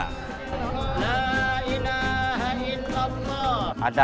ratusan warga laki laki dan perempuan berjalan di sawah sambil membacakan doa